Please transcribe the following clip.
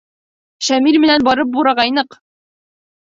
— Шамил менән барып бурағайныҡ.